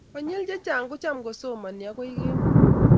Konyil chechang kochan kosomani agoi kemoi